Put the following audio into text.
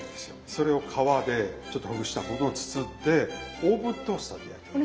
それを皮でちょっとほぐしたものを包んでオーブントースターで焼いてます。